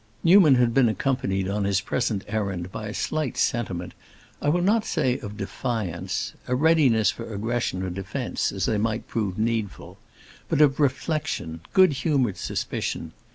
Newman had been accompanied on his present errand by a slight sentiment, I will not say of defiance—a readiness for aggression or defence, as they might prove needful—but of reflection, good humored suspicion.